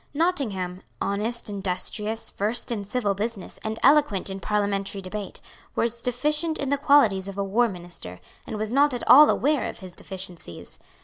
Nottingham, honest, industrious, versed in civil business, and eloquent in parliamentary debate, was deficient in the qualities of a war minister, and was not at all aware of his deficiencies.